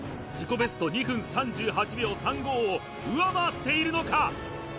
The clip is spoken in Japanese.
ベスト２分３８秒３５を上回っているのか